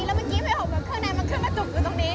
และเมื่อกี้เขาก็เหมือนเครื่องน้ำมันขึ้นมาฉุกอยู่ตรงนี้